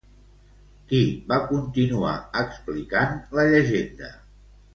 Qui va continuar explicant la llegenda?